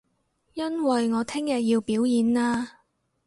因為我聽日要表演啊